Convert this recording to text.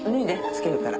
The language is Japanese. つけるから。